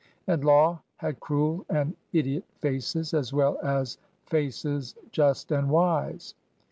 And law had cruel and idiot faces as well as faces just and wise.